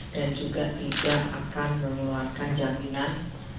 dan juga tidak akan mengeluarkan jaminan